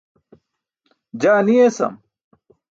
Jaa ni esam.